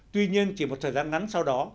tuy nhiên chỉ một thời gian ngắn sau đó